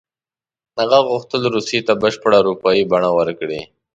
هغه غوښتل روسیې ته بشپړه اروپایي بڼه ورکړي.